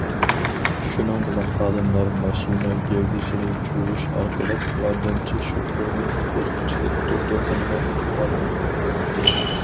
شۇنىڭ بىلەن خادىملار ماشىنا گەۋدىسىنى چۇۋۇش ئارقىلىق ياردەمچى شوپۇرنى قۇتقۇزۇپ چىقىپ دوختۇرخانىغا ئېلىپ بارغان.